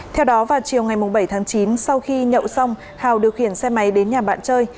theo đó vào chiều ngày bảy tháng chín sau khi nhậu xong hào điều khiển xe máy đến nhà bạn chơi